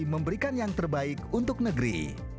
memberikan yang terbaik untuk negeri